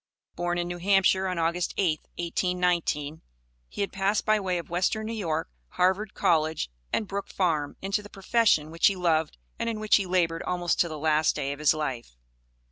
Born in New Hampshire on August 8, 1819, he had passed by way of western New York, Harvard College, and Brook Farm into the profession which he loved and in which he labored almost to the last day of his life.